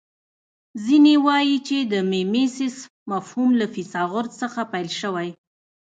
ځینې وايي چې د میمیسیس مفهوم له فیثاغورث څخه پیل شوی